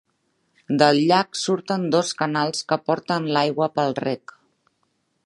Del llac surten dos canals que porten l'aigua pel reg.